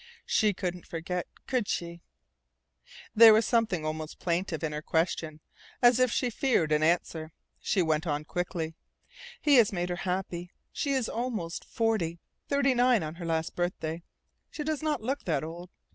She couldn't forget, could she?" There was something almost plaintive in her question. As if she feared an answer, she went on quickly: "He has made her happy. She is almost forty thirty nine her last birthday. She does not look that old.